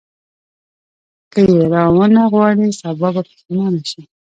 که یې راونه غواړې سبا به پښېمانه شې.